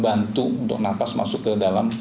bantu untuk nafas masuk ke dalam